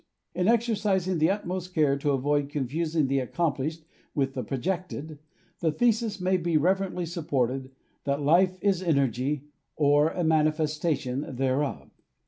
In exercising the utmost care to avoid confusing the accomplished with the projected, the thesis may be reverently supported that life is energy or a manifestation thereof.